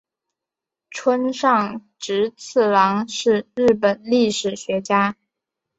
村上直次郎是日本历史学家。